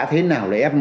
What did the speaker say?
thế nào là f một